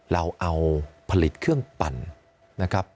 เราเอาผลิตเครื่องปั่นนะครับ